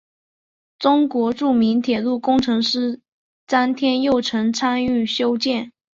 中国著名铁路工程师詹天佑曾参与修建。